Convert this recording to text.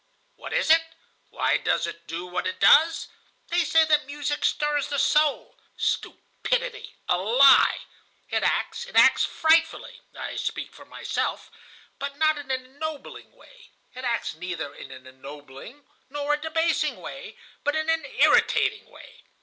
What is it? Why does it do what it does? They say that music stirs the soul. Stupidity! A lie! It acts, it acts frightfully (I speak for myself), but not in an ennobling way. It acts neither in an ennobling nor a debasing way, but in an irritating way.